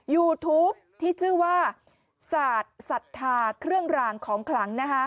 ยูทูปที่ชื่อว่าศาสตร์ศรัทธาเครื่องรางของขลัง